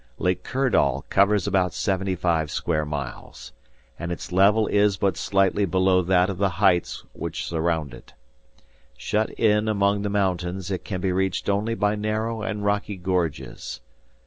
"Lake Kirdall covers about seventy five square miles, and its level is but slightly below that of the heights which surround it. Shut in among the mountains, it can be reached only by narrow and rocky gorges.